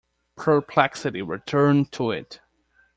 Perplexity returned to it.